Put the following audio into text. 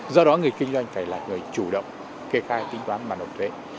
do đó người kinh doanh phải là người chủ động kê khai tính toán mà nộp thuế